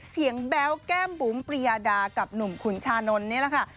แบ๊วแก้มบุ๋มปริยาดากับหนุ่มขุนชานนท์นี่แหละค่ะ